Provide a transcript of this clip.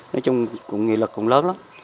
nói chung nghị lực cũng lớn lắm